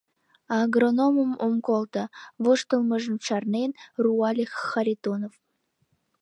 — Агрономым ом колто! — воштылмыжым чарнен, руале Харитонов.